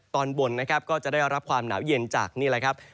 ตอนบนนะครับก็จะได้รับความหนาวเย็นจากนี่แหละครับ